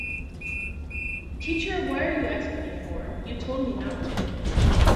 Teacher, why are you asking me for? You told me not to.